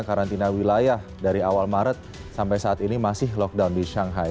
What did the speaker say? karantina wilayah dari awal maret sampai saat ini masih lockdown di shanghai